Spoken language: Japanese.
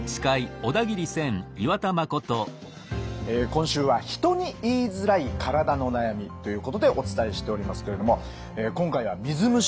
今週は「人に言いづらい体の悩み」ということでお伝えしておりますけれども今回は水虫を取り上げます。